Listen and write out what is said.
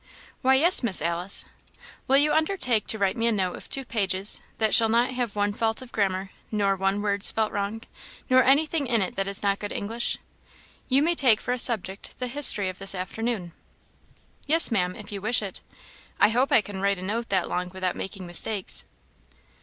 "Why, yes, Miss Alice." "Will you undertake to write me a note of two pages that shall not have one fault of grammar, nor one word spelt wrong, nor anything in it that is not good English? You may take for a subject the history of this afternoon." "Yes, Maam, if you wish it. I hope I can write a note that long without making mistakes."